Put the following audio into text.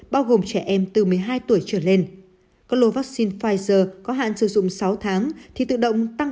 bao gồm trẻ em từ một mươi hai tuổi trở lên có lô vaccine pfizer có hạn sử dụng sáu tháng thì tự động tăng